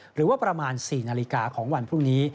หรือว่าประมาณ๔นาฬิกาของวันพรุ่งนี้